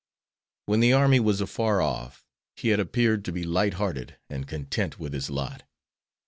When the army was afar off, he had appeared to be light hearted and content with his lot.